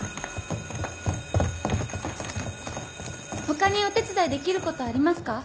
他にお手伝いできることありますか？